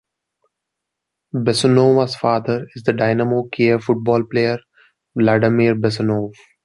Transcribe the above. Bessonova's father is the "Dynamo Kiev" football player Vladimir Bessonov.